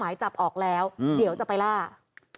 เอาไปแล้วก็ไปต่อหยุด